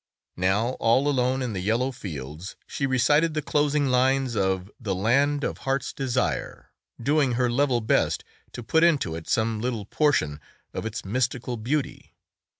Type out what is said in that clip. Now all alone in the yellow fields she recited the closing lines of "The Land of Heart's Desire," doing her level best to put into it some little portion of its mystical beauty.